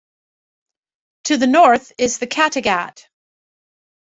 To the north is the Kattegat.